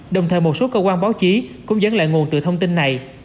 đồng thời một số cơ quan báo chí cũng dẫn lại nguồn từ thông tin này